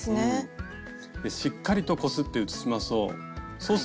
しっかりとこすって写しましょう。